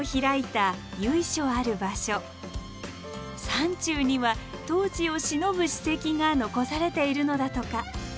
山中には当時をしのぶ史跡が残されているのだとか。